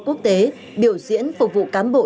quốc tế biểu diễn phục vụ cán bộ